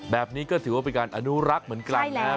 แบบนี้ก็ถือว่าเป็นการอนุรักษ์เหมือนกันนะครับ